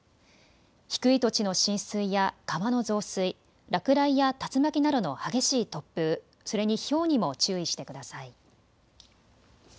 低い土地の浸水や川の増水、落雷や竜巻などの激しい突風、それにひょうにも注意してください。